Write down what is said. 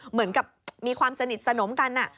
เหมือนกับมีความสนิทสนมกัน